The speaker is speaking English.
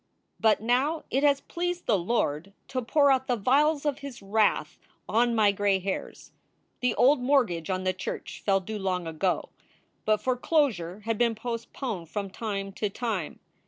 But now it has pleased the Lord to pour out the vials of his wrath on my gray hairs. The old mortgage on the church fell due long ago, but foreclosure had been postponed from time to time.